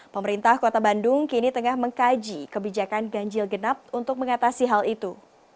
pemerintah kota bandung kini tengah mengkaji kebijakan ganjil genap untuk mengatasi hal itu